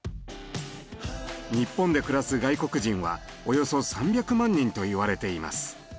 日本で暮らす外国人はおよそ３００万人と言われています。